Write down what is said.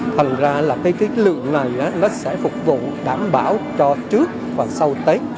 thành ra lượng này sẽ phục vụ đảm bảo cho trước và sau tết